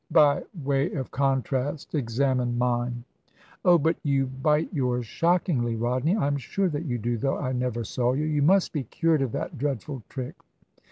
By way of contrast examine mine." "Oh but you bite yours shockingly, Rodney. I am sure that you do, though I never saw you. You must be cured of that dreadful trick."